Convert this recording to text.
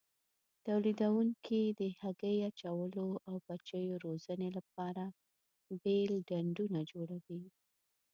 تولیدوونکي د هګۍ اچولو او بچیو روزنې لپاره بېل ډنډونه جوړوي.